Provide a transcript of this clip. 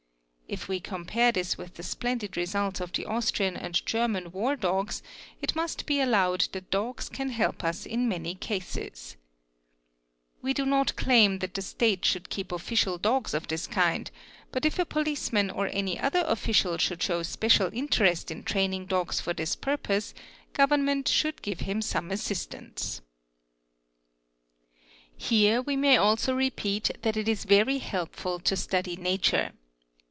If we / compare this with the splendid results of the Austrian and German war i logs, it must be allowed that dogs can help usin many cases. We do 7 lot claim that the state should keep official dogs of this kind, but if a | policeman or any other ofticial should show special interest in training dogs for this purpose, Government should give him some assistance 66 16?) 'Here we may also repeat that it is very helpful to study nature.